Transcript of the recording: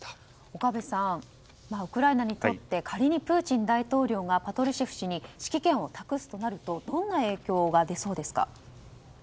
岡部さん、ウクライナにとって仮にプーチン大統領がパトルシェフ氏に指揮権を託すとなるとどんな影響が出そうですか。